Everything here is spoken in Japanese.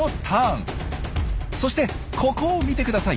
そしてここを見てください。